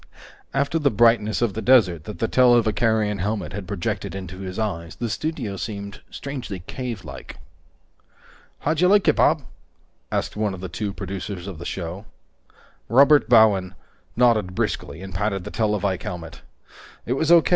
After the brightness of the desert that the televicarion helmet had projected into his eyes, the studio seemed strangely cavelike. "How'd you like it, Bob?" asked one of the two producers of the show. Robert Bowen nodded briskly and patted the televike helmet. "It was O.